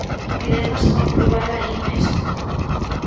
Puidemos comprobalo alí mesmo.